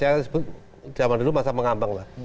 yang disebut zaman dulu masa mengambang lah